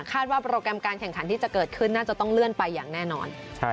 ว่าโปรแกรมการแข่งขันที่จะเกิดขึ้นน่าจะต้องเลื่อนไปอย่างแน่นอน